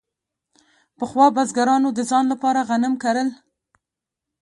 پخوا بزګرانو د ځان لپاره غنم کرل.